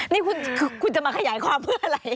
นี่คุณจะมาขยายความเพื่ออะไร